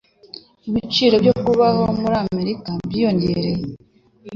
Ibiciro byo kubaho muri Amerika byariyongereye.